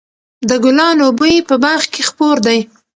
د ګلانو بوی په باغ کې خپور دی.